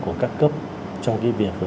của các cấp trong cái việc